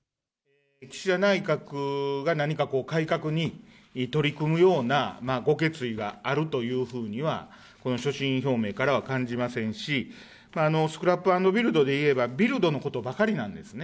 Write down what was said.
岸田内閣が何か改革に取り組むようなご決意があるというふうには、この所信表明からは感じませんし、スクラップ＆ビルドでいえば、ビルドのことばかりなんですね。